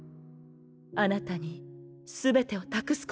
あなたに全てを託すことにしたの。